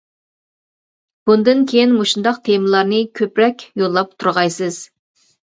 بۇندىن كىيىن مۇشۇنداق تېمىلارنى كۆپرەك يوللاپ تۇرغايسىز!